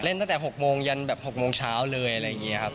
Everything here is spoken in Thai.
ตั้งแต่๖โมงยันแบบ๖โมงเช้าเลยอะไรอย่างนี้ครับ